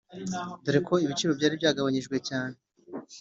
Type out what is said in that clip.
dore ko ibiciro byari byagabanyijwe cyane